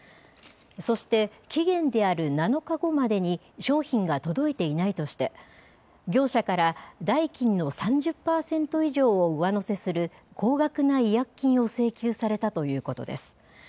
そして、期限である７日後までに商品が届いていないとして、業者から代金の３０％以上を上乗せする高額な違約金を請求されたということです。